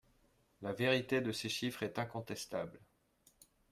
La vérité de ces chiffres est incontestable.